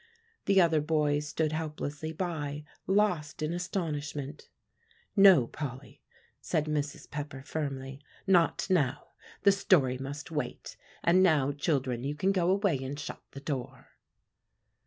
The other boys stood helplessly by, lost in astonishment. "No, Polly," said Mrs. Pepper firmly, "not now; the story must wait. And now, children, you can go away and shut the door."